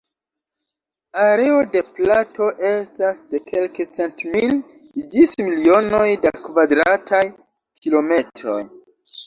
Areo de plato estas de kelkcent mil ĝis milionoj da kvadrataj kilometroj.